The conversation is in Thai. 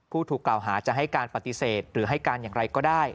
ผู้ถูกกล่าวหาจะให้การปฏิเสธหรือให้การอย่างไรก็ได้